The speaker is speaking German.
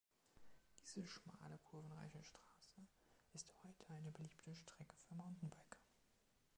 Diese schmale, kurvenreiche Straße ist heute eine beliebte Strecke für Mountainbiker.